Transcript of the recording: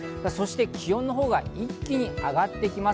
気温が一気に上がってきます。